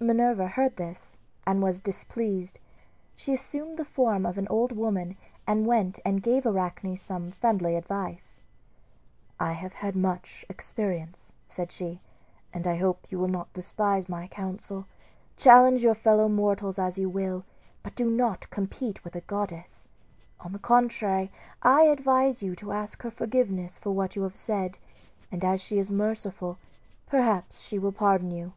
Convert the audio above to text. Minerva heard this and was displeased. She assumed the form of an old woman and went and gave Arachne some friendly advice "I have had much experience," said she, "and I hope you will not despise my counsel. Challenge your fellow mortals as you will, but do not compete with a goddess. On the contrary, I advise you to ask her forgiveness for what you have said, and as she is merciful perhaps she will pardon you."